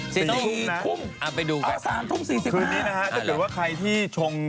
คืนนี้นะะก็คืนว่าใครที่ชงหรืออะไรก็อย่าออกไปข้างนอกแล้วกัน